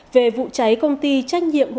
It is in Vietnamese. về vụ cháy công ty công lumeco